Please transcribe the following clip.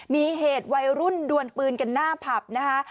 มีเหตุวัยรุ่นดวนปืนกันหน้าผับนะคะ